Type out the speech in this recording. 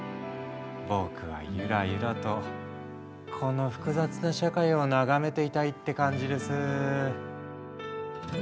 僕はゆらゆらとこの複雑な社会を眺めていたいって感じです。